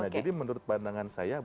jadi menurut pandangan saya